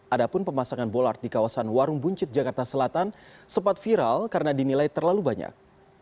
adapun pemasangan bolart di kawasan warung buncit jakarta selatan sempat viral karena dinilai terlalu banyak